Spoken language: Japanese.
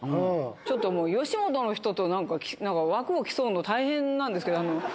ちょっともう、吉本の人となんか枠を競うのたいへんなんですけど。